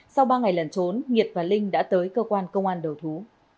sau ba ngày lần trốn nhiệt và linh đã tới cơ quan công an đầu thú